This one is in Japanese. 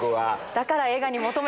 だから。